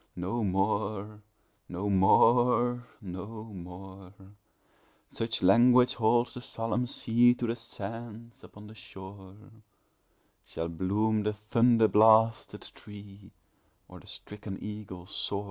No more no more no more (Such language holds the solomn sea To the sands upon the shore) Shall bloom the thunder blasted tree, Or the stricken eagle soar!